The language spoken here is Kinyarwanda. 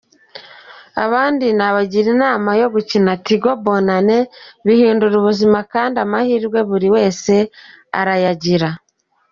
Abandi nabagira inama yo gukina Tigo Bonane, bihindura ubuzima, kandi amahirwe buri wese arayagira.